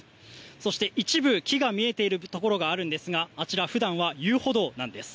そして、一部木が見ているところがあるんですがあちら、普段は遊歩道なんです。